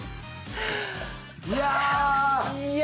いや！